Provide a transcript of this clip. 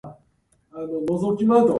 なんで、僕がこんなことをしないといけないんだ。